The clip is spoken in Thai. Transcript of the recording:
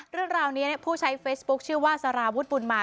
เรื่องราวนี้ผู้ใช้เฟซบุ๊คชื่อว่าสารวุฒิบุญมา